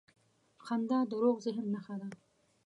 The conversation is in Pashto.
• خندا د روغ ذهن نښه ده.